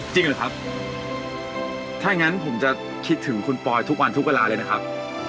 หรือครับถ้างั้นผมจะคิดถึงคุณปอยทุกวันทุกเวลาเลยนะครับ